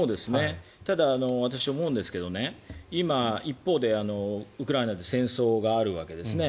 ただ私、思うんですけど今、一方でウクライナで戦争があるわけですね。